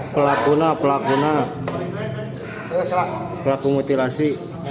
pelakuna pelakuna pelaku mutilasi